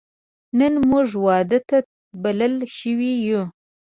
نن موږ واده ته بلل شوی یو